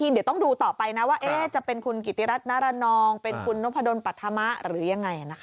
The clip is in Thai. เดี๋ยวต้องดูต่อไปนะว่าจะเป็นคุณกิติรัฐนารนองเป็นคุณนพดลปัธมะหรือยังไง